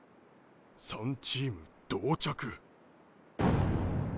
３チーム同着。